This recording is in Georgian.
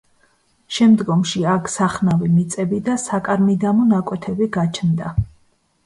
შემდგომში აქ სახნავი მიწები და საკარმიდამო ნაკვეთები გაჩნდა.